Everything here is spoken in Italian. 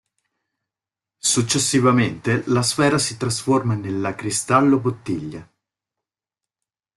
Successivamente la Sfera si trasforma nella Cristallo Bottiglia.